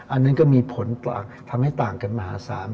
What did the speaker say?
อันนั้นก็มีผลทำให้ต่างกันมหาศาล